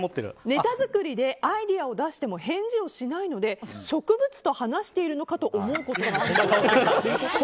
ネタ作りでアイデアを出しても返事をしないので植物と話しているのかと思うことがあると。